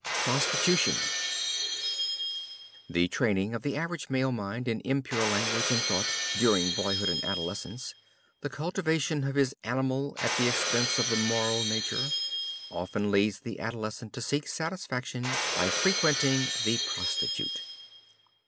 PROSTITUTION The training of the average male mind in impure language and thought during boyhood and adolescence, the cultivation of his animal at the expense of the moral nature, often leads the adolescent to seek satisfaction by frequenting the prostitute.